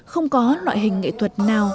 không có loại hình nghệ thuật nào